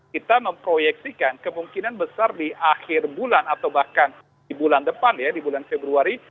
kita memproyeksikan kemungkinan besar di akhir bulan atau bahkan di bulan depan ya di bulan februari